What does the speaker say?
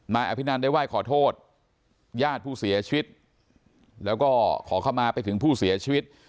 นายอภินันได้ไหว้ขอโทษญาติผู้เสียชีวิตแล้วก็ขอเข้ามาไปถึงผู้เสียชีวิต